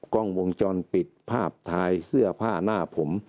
กล้องวงจรปิดภาพถ่ายเสื้อผ้าหน้าผม